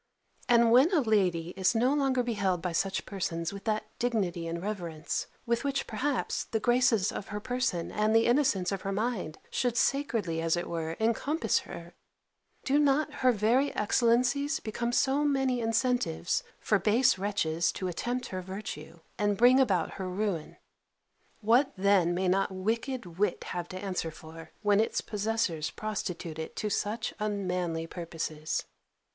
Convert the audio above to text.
And when a lady is no longer beheld by such persons with that dignity and reverence, with which perhaps, the graces of her person, and the innocence of her mind, should sacredly, as it were, encompass her, do not her very excellencies become so many incentives for base wretches to attempt her virtue, and bring about her ruin? What then may not wicked wit have to answer for, when its possessors prostitute it to such unmanly purposes!